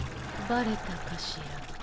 バレたかしら。